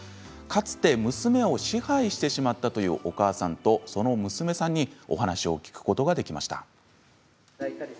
かつて娘を支配してしまったというお母さんとその娘さんにお話を聞くことができました。